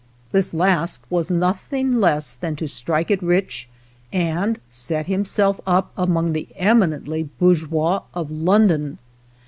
This last was nothing less than to strike it rich and set himself up among the eminently bourgeois of Lon don.